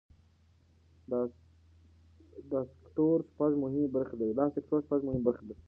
دا سکتور شپږ مهمې برخې لري.